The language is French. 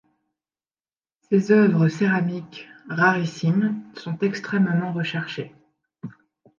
Ses œuvres céramiques, rarissimes, sont extrêmement recherchées.